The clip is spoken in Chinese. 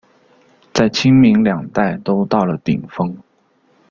在清民两代都到了顶峰。